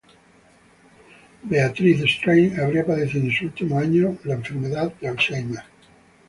Beatrice Straight habría padecido en sus últimos años una enfermedad de Alzheimer.